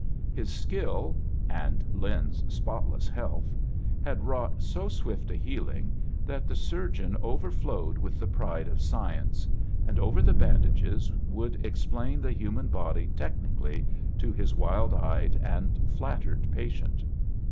His skiU (and Lin's spotless health) had wrot^ht so swift a healing that the sur geon overflowed with the pride of science, and over the bandages woold explain the human body technically to his wild eyed and flattered patient.